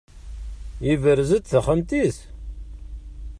Yebrez-d taxxamt-is?